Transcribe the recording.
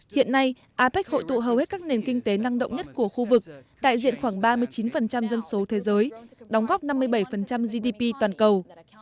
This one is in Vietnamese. hiện nay apec hội tụ hầu hết các nền kinh tế năng động nhất của khu vực đại diện khoảng ba mươi chín dân số thế giới đóng góp năm mươi bảy gdp toàn cầu